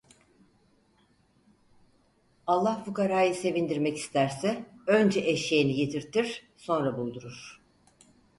Allah fukarayı sevindirmek isterse önce eşeğini yitirtir, sonra buldurur.